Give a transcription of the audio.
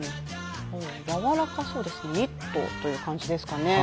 やわらかそうですねニットという感じですかね。